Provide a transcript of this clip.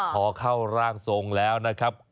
พอเข้าร่างทรงแล้วนะครับ